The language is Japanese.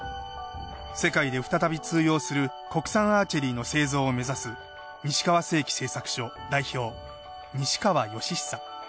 世界で再び通用する国産アーチェリーの製造を目指す西川精機製作所代表西川喜久。